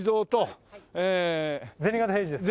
銭形平次です。